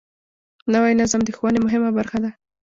نوی نظم د ښوونې مهمه برخه ده